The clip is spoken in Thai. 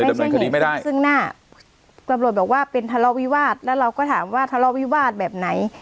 ไม่ใช่เหตุซึ่งหน้าตำรวจบอกว่าเป็นทะเลาวิวาสแล้วเราก็ถามว่าทะเลาวิวาสแบบไหน